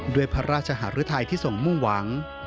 ด้วยพระราชหารุทัยที่ทรงมุ่งหวัง